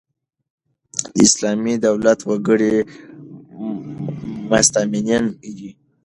د اسلامي دولت وګړي مستامنین يي.